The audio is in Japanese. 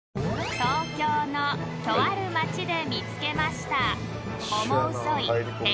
［東京のとある街で見つけました］